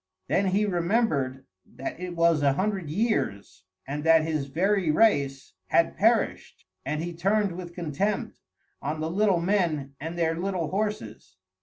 Then he remembered that it was a hundred years, and that his very race had perished, and he turned with contempt on the little men and their little horses.